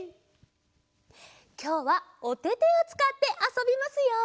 きょうはおててをつかってあそびますよ！